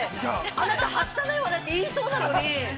あなたはしたないわねって言いそうなのに。